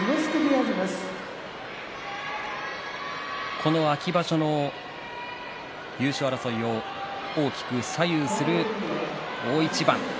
この秋場所の優勝争いを大きく左右する大一番。